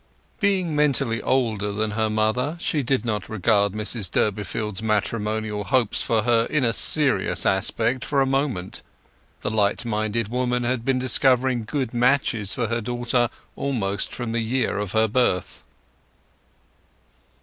Being mentally older than her mother she did not regard Mrs Durbeyfield's matrimonial hopes for her in a serious aspect for a moment. The light minded woman had been discovering good matches for her daughter almost from the year of her birth.